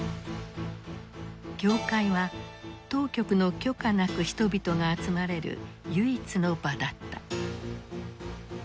教会は当局の許可なく人々が集まれる唯一の場だった。